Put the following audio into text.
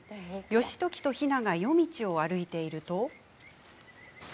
義時と比奈が夜道を歩いていると。